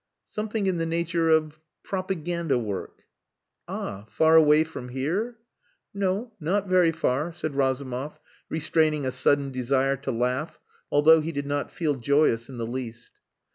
"Something in the nature of propaganda work." "Ah! Far away from here?" "No. Not very far," said Razumov, restraining a sudden desire to laugh, although he did not feel joyous in the least.